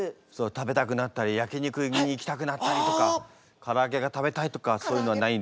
食べたくなったり焼き肉に行きたくなったりとかからあげが食べたいとかそういうのはなったりはしないんですか？